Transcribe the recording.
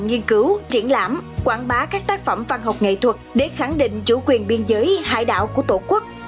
nghiên cứu triển lãm quảng bá các tác phẩm văn học nghệ thuật để khẳng định chủ quyền biên giới hải đảo của tổ quốc